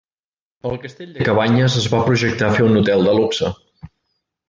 Al castell de Cabanyes es va projectar fer un hotel de luxe.